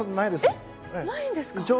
えっ？ないんですか？